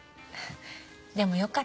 でもよかったわね。